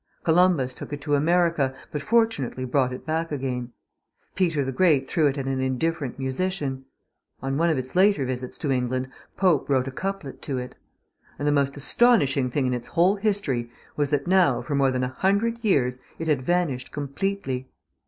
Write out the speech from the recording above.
Columbus took it to America, but fortunately brought it back again; Peter the Great threw it at an indifferent musician; on one of its later visits to England Pope wrote a couplet to it. And the most astonishing thing in its whole history was that now for more than a hundred years it had vanished completely.